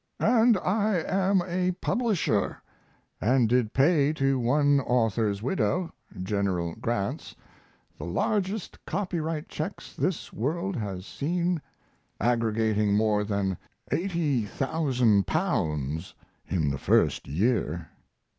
And I am a publisher, and did pay to one author's widow (General Grant's) the largest copyright checks this world has seen aggregating more than L80,000 in the first year.